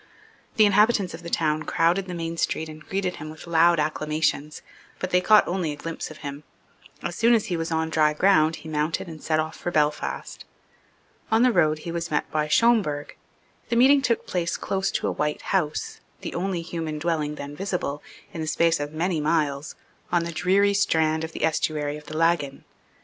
The inhabitants of the town crowded the main street and greeted him with loud acclamations: but they caught only a glimpse of him. As soon as he was on dry ground he mounted and set off for Belfast. On the road he was met by Schomberg. The meeting took place close to a white house, the only human dwelling then visible, in the space of many miles, on the dreary strand of the estuary of the Laggan.